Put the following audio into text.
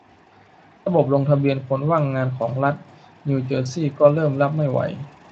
ระบบลงทะเบียนคนว่างงานของรัฐนิวเจอร์ซีย์ก็เริ่มรับไม่ไหว